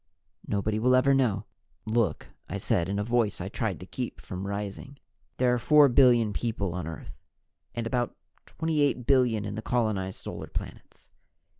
Nobody will ever know." "Look," I said in a voice I tried to keep from rising. "There are four billion people on Earth and about 28 billion in the colonized Solar planets.